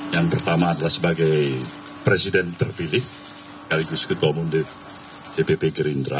yang pertama adalah sebagai presiden terpilih sekaligus ketomun di tpp gerindra